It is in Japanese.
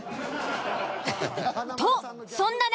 とそんな中